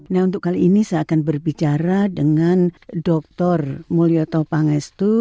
nah untuk kali ini saya akan berbicara dengan dr mulyoto pangestu